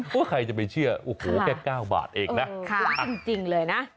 เพื่อใครจะไม่เชื่อแค่๙บาทเองนะค้าจริงเลยนะ